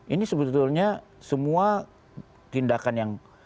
ini sebetulnya semua tindakan yang